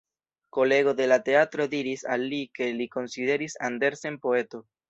Kolego de la teatro diris al li ke li konsideris Andersen poeto.